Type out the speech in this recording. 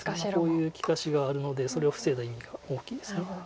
こういう利かしがあるのでそれを防いだ意味が大きいです。